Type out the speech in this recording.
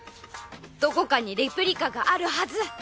どこかにレプリカがあるはず！